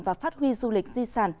và phát huy du lịch di sản